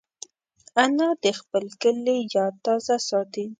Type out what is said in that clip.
انا د خپل کلي یاد تازه ساتي